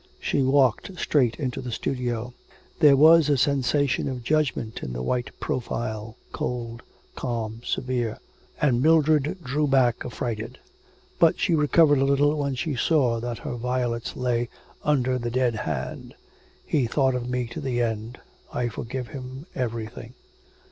She walked straight into the studio. There was a sensation of judgment in the white profile, cold, calm, severe, and Mildred drew back affrighted. But she recovered a little when she saw that her violets lay under the dead hand. 'He thought of me to the end. I forgive him everything.'